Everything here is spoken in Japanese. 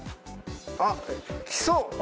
あっきそう！